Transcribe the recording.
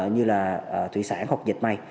như là thủy sản hoặc dịch may